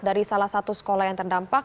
dari salah satu sekolah yang terdampak